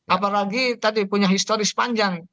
apalagi tadi punya historis panjang